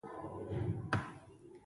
راتلونکو نسلونو ته موثق اطلاعات نه وي.